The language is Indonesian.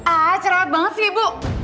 ah cerah banget sih bu